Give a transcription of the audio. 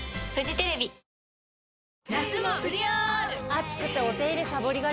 暑くてお手入れさぼりがち。